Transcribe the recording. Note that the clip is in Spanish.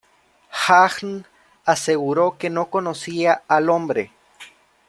Hahn aseguró que no conocía al hombre".